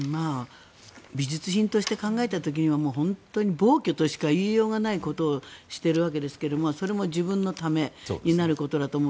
美術品として考えた時には本当に暴挙としか言いようがないことをしているわけですがそれも自分のためになることだと思う。